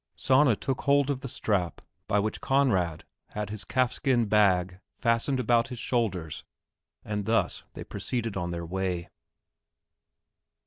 Sanna took hold of the strap by which Conrad had his calfskin bag fastened about his shoulders and thus they proceeded on their way.